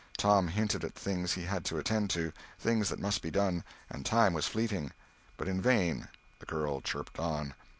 Tom hinted at things he had to attend to; things that must be done; and time was fleeting. But in vain—the girl chirped on.